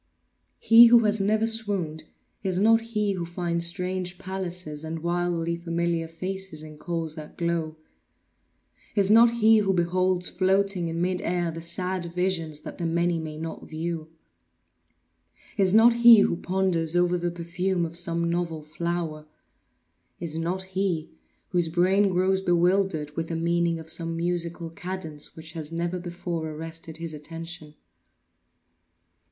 He who has never swooned, is not he who finds strange palaces and wildly familiar faces in coals that glow; is not he who beholds floating in mid air the sad visions that the many may not view; is not he who ponders over the perfume of some novel flower; is not he whose brain grows bewildered with the meaning of some musical cadence which has never before arrested his attention.